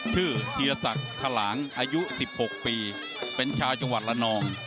ชื่อธีรศักดิ์ทะลางอายุสิบหกปีเป็นชาวจังหวัดละนอง